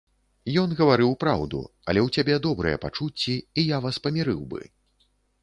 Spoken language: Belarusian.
Ён гаварыў праўду, але ў цябе добрыя пачуцці, і я вас памірыў бы.